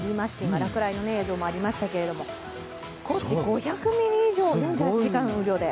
今、落雷の映像もありましたけれども、高知、５００ミリ以上、４８時間雨量で。